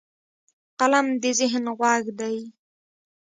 قلم د ذهن غوږ دی